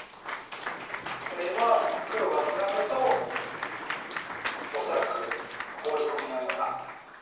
これは黒がツナぐと恐らくホウリコミのような手です。